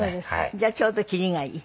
じゃあちょうど切りがいい。